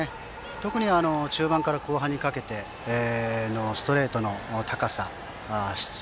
特に中盤から後半にかけてのストレートの高さ、質。